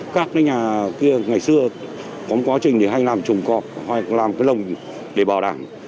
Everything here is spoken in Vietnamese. các nhà kia ngày xưa có một quá trình hay làm trùng cọp hay làm cái lồng để bảo đảm